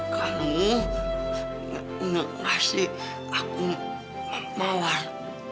kamu nggak kasih aku mawar